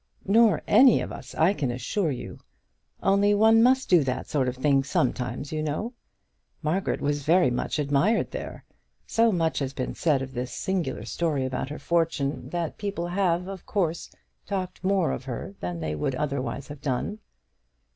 "Nor any of us, I can assure you. Only one must do that sort of thing sometimes, you know. Margaret was very much admired there. So much has been said of this singular story about her fortune, that people have, of course, talked more of her than they would otherwise have done."